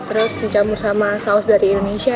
terus dicampur sama saus dari indonesia